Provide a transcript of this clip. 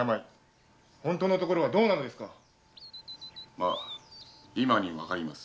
ま今にわかります。